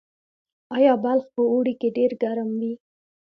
آیا بلخ په اوړي کې ډیر ګرم وي؟